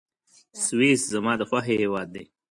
سویس زما د خوښي هېواد دی.